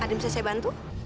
ada yang bisa saya bantu